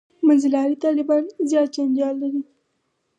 «منځلاري طالبان» زیات جنجال لري.